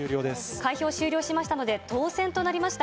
開票終了しましたので、当選しました。